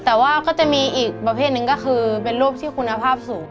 แต่ว่าก็จะมีอีกประเภทหนึ่งก็คือเป็นรูปที่คุณภาพสูง